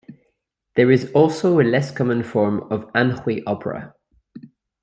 There is also a less common form of Anhui opera.